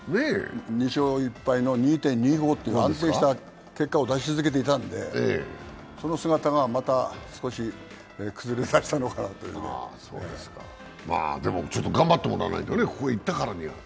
２勝１敗の２．２５という安定した結果を出し続けていたんで、その姿が、また少し崩れ出したのかなというね頑張ってもらわないとね、ここ行ったからには。